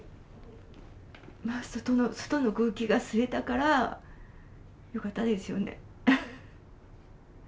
外の空気が吸えたからよかったですよね。